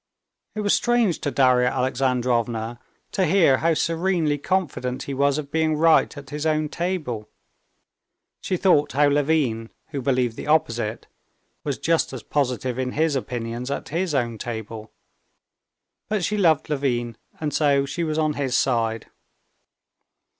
It was strange to Darya Alexandrovna to hear how serenely confident he was of being right at his own table. She thought how Levin, who believed the opposite, was just as positive in his opinions at his own table. But she loved Levin, and so she was on his side.